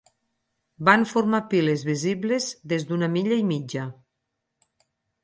Van formar piles visibles des d'una milla i mitja.